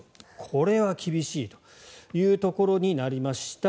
これは厳しいというところになりました。